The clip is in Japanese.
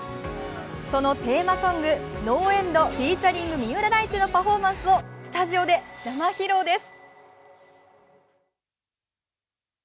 そのテーマソング「ＮｏＥｎｄｆｅａｔ．三浦大知」のパフォーマンスをスタジオで生披露です。